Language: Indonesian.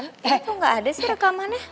itu ga ada sih rekamannya